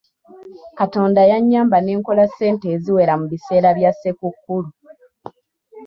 Katonda yannyamba ne nkola ssente eziwera mu biseera bya Ssekukkulu.